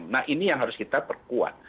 nah ini yang harus kita perkuat